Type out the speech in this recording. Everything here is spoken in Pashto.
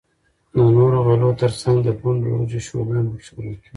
د نورو غلو تر څنگ د پنډو وریجو شولې هم پکښی کرل کیږي.